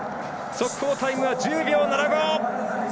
速報タイムは１０秒７５。